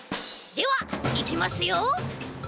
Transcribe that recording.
ではいきますよ。